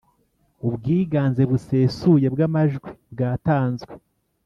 ubwiganze busesuye bw’ amajwi bwatanzwe.